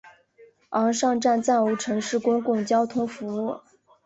昂尚站暂无城市公共交通服务。